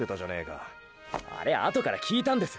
あれ後から聞いたんです！